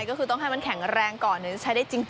ใช่ก็คือต้องให้มันแข็งแรงก่อนจะใช้ได้จริง